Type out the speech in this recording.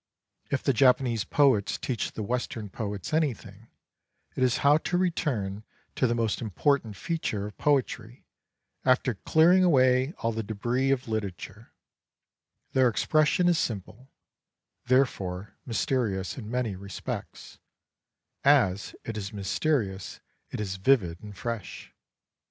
If the Japanese poets teach the Western poets anything, it is how to return to the most important feature of poetry after clearing away all the debris of literature ; their expression is simple, therefore myterious in many respects ; as it is mysterious, it is vivid and fresh.